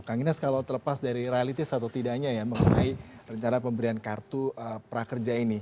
kang inas kalau terlepas dari realistis atau tidaknya ya mengenai rencana pemberian kartu prakerja ini